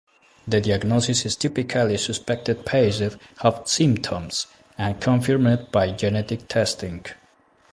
The diagnosis is typically suspected based on symptoms and confirmed by genetic testing.